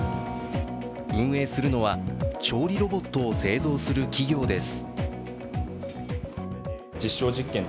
運営するのは調理ロボットを製造する企業です。